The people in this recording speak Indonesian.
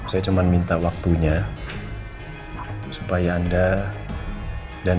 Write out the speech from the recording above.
saya cuman minta waktunya supaya anda dan